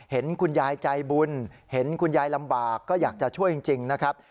เห็นคุณยายใจบุญเห็นคุณยายลำบากก็อยากจะช่วยจริงนะครับ